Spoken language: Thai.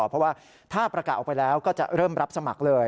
เพราะว่าถ้าประกาศออกไปแล้วก็จะเริ่มรับสมัครเลย